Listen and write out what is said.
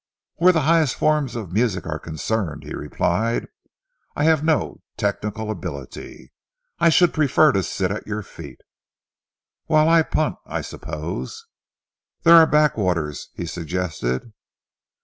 "Where the higher forms of music are concerned," he replied, "I have no technical ability. I should prefer to sit at your feet." "While I punt, I suppose?" "There are backwaters," he suggested.